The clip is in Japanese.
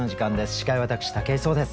司会は私武井壮です。